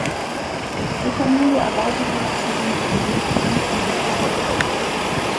Die Familie erweiterte außerdem die Gehöfte und den Ort.